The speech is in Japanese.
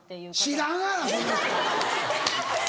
知らんがなそんな人！